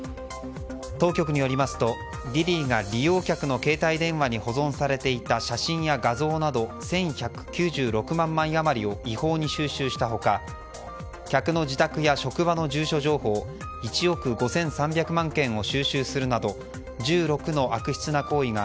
当局によりますと、ＤｉＤｉが利用客の携帯電話に保存されていた写真や画像など１１９６万枚余りを違法に収集した他客の自宅や職場の住所情報１億５３００万件を収集するなど１６の悪質な行為が